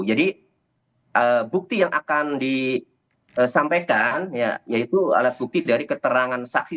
jadi bukti yang akan disampaikan ya yaitu alas bukti dari keterangan saksi